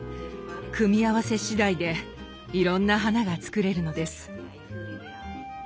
組み合わせしだいでいろんな花が作れるのです。